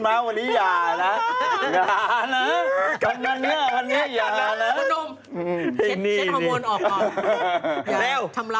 เร็วตามผมลด